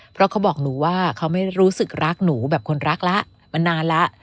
เพราะเขาบอกหนูว่าเขาไม่รู้สึกรักหนูแบบคนรักแล้วมันนานแล้ว